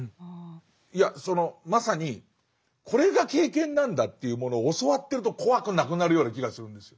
いやそのまさにこれが経験なんだというものを教わってると怖くなくなるような気がするんですよ。